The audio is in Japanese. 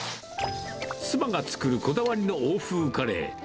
妻が作るこだわりの欧風カレー。